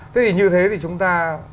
thế thì như thế thì chúng ta